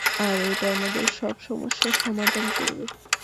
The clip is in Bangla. আর এটা আমাদের সব সমস্যার সমাধান করবে?